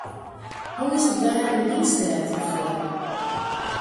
Hoe is it waar yn dyn stêd of doarp?